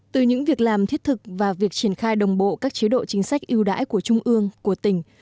từ những việc làm thiết thực và việc triển khai đồng bộ các chế độ chính sách ưu đãi của trung ương của tỉnh